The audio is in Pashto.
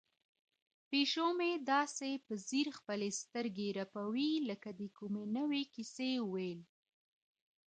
پیشو مې داسې په ځیر خپلې سترګې رپوي لکه د کومې نوې کیسې ویل.